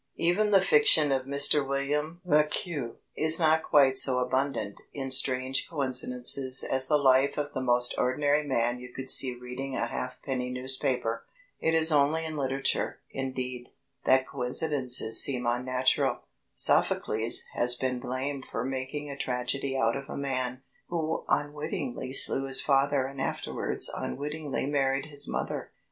Even the fiction of Mr William Le Queux is not quite so abundant in strange coincidences as the life of the most ordinary man you could see reading a halfpenny newspaper. It is only in literature, indeed, that coincidences seem unnatural. Sophocles has been blamed for making a tragedy out of a man who unwittingly slew his father and afterwards unwittingly married his mother.